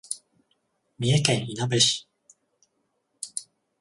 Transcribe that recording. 三重県いなべ市